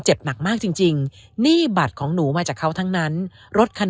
หนักมากจริงหนี้บัตรของหนูมาจากเขาทั้งนั้นรถคัน